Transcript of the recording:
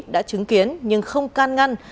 đã chứng kiến nhưng không can ngăn